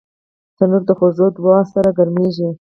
تنور د خوږو دعاوو سره ګرمېږي